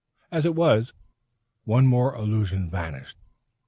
As it was, one more illusion vanished.